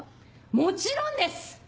もちろんです！